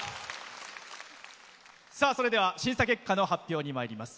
それでは審査結果の発表にまいります。